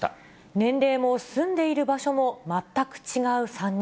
年齢も住んでいる場所も全く違う３人。